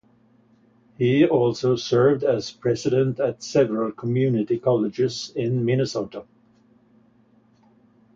He also served as president at several community colleges in Minnesota.